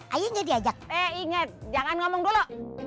ayahnya diajak eh inget jangan ngomong dulu